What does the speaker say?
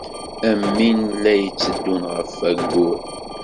Am win ay la itteddun ɣef wayyur.